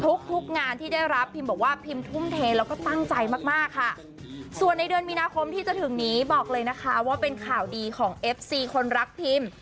ทุกทุกงานที่ได้รับพิมบอกว่าพิมทุ่มเทแล้วก็ตั้งใจมากมากค่ะส่วนในเดือนมีนาคมที่จะถึงนี้บอกเลยนะคะว่าเป็นข่าวดีของเอฟซีคนรักพิม